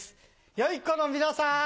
良い子の皆さん